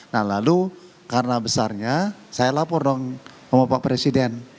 nah lalu karena besarnya saya lapor dong sama pak presiden